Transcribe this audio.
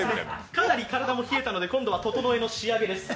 かなり体も冷えたので今度はととのえの仕上げです。